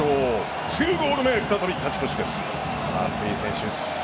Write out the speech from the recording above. ２ゴール目で再び勝ち越しです。